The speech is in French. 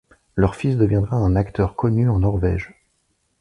Leur fils deviendra un acteur connu en Norvège.